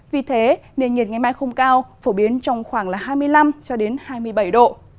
vì thế nền nhiệt ngày mai không cao phổ biến trong khoảng là hai mươi năm hai mươi bảy độ